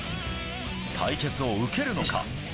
対決を受けるのか？